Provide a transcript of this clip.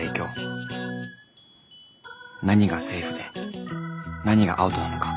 何がセーフで何がアウトなのか。